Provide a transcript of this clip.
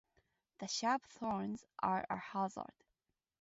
The sharp thorns are a hazard.